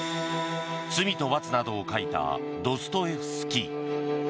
「罪と罰」などを書いたドストエフスキー。